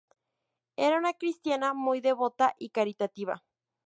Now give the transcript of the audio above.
Era una cristiana muy devota y caritativa.